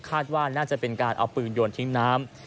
คาดว่าน่าจะเป็นการเอาปืนโยนทิ้งน้ำ